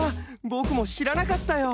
ぼくもしらなかったよ。